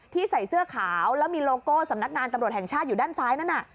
ใส่เสื้อขาวแล้วมีโลโก้สำนักงานตำรวจแห่งชาติอยู่ด้านซ้ายนั่นน่ะ